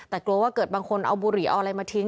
แต่กลัวว่าเกิดบางคนเอาบุหรี่เอาอะไรมาทิ้ง